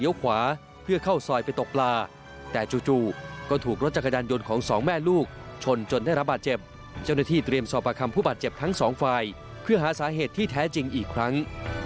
มีอายุ๓๓ปีคนกลับขี่รถจักรยานยนต์